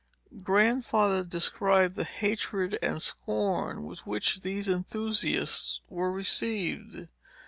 Grandfather described the hatred and scorn with which these enthusiasts were received.